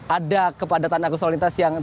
ada kepadatan arusol lintas yang